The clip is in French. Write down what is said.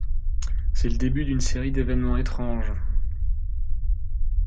C'est le début d'une série d'événements étranges...